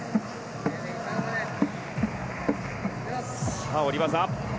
さあ、降り技。